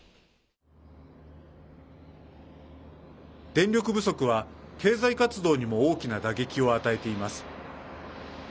電力不足は経済活動にも大きな打撃を与えています。